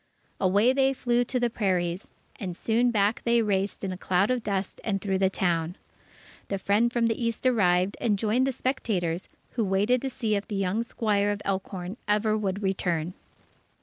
Away they flew to the prairies, and soon back they raced in a cloud of dust and through the town. The friend from the East arrived, and joined the spectators, who waited to see if the young squire of Elkhorn ever would return.